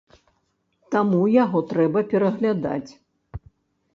Таму яго трэба пераглядаць.